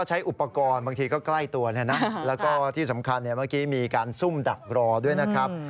ใช้อุปกรณ์บางทีก็ใกล้ตัวและมีการซุ่มดับรอด้วยนะครับ